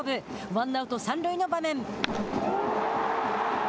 ワンアウト、三塁の場面。